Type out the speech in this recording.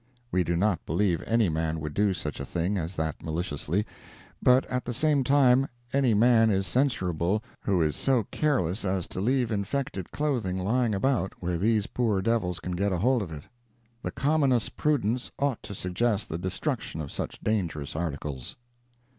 We do not believe any man would do such a thing as that maliciously, but at the same time, any man is censurable who is so careless as to leave infected clothing lying about where these poor devils can get hold of it. The commonest prudence ought to suggest the destruction of such dangerous articles.